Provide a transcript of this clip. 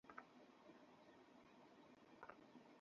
তখন থেকে দুই বছর ধরে প্রকল্প এলাকায় বিভিন্ন সমীক্ষা চালানো হয়।